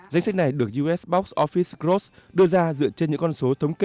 danh sách này được us box office cross đưa ra dựa trên những con số thống kê